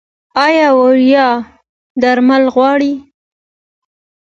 ایا وړیا درمل غواړئ؟